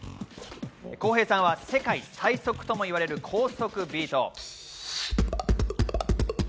Ｋｏｈｅｙさんは世界最速ともいわれる高速ビート。